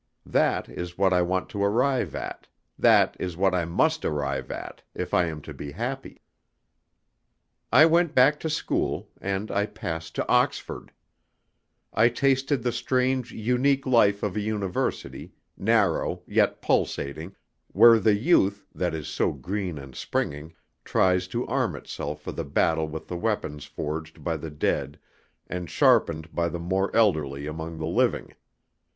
That is what I want to arrive at, that is what I must arrive at, if I am to be happy. I went back to school, and I passed to Oxford. I tasted the strange, unique life of a university, narrow, yet pulsating, where the youth, that is so green and springing, tries to arm itself for the battle with the weapons forged by the dead and sharpened by the more elderly among the living.